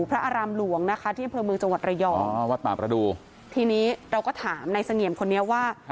พระอารามหลวงที่อำเภอมือจังหวัดระยองทีนี้เราก็ถามในสเงียมคนนี้ว่า